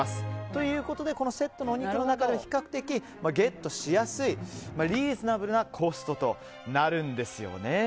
ということでこのセットのお肉の中で比較的ゲットしやすいリーズナブルなコストとなるんですよね。